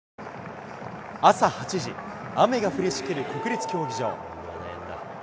朝８時、雨が降りしきる国立競技場。